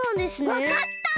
わかった！